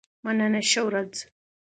مننه ښه ورځ.